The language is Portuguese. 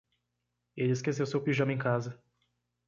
Ele esqueceu seu pijama em casa.